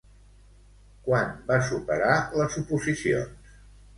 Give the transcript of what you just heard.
Quan va superar les oposicions?